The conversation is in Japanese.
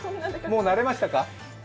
もう慣れましたか？